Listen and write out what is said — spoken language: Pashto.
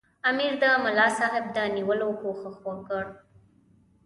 امیر د ملاصاحب د نیولو کوښښ وکړ.